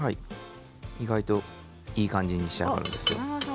意外といい感じに仕上がるんですよ。